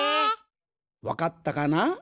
わかったかな？